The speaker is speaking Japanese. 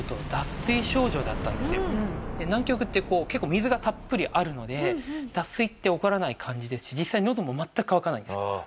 南極って結構水がたっぷりあるので脱水って起こらない感じですし実際のども全く渇かないんですよ。